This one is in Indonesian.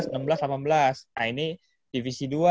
nah ini divisi dua